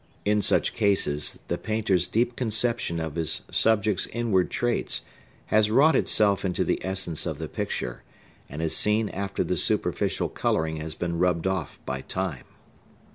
In such cases, the painter's deep conception of his subject's inward traits has wrought itself into the essence of the picture, and is seen after the superficial coloring has been rubbed off by time.